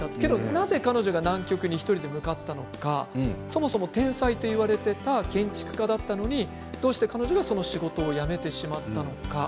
なぜ彼女が１人で南極に向かったのかそもそも天才と言われていた建築家だったのにどうして彼女がその仕事を辞めてしまったのか。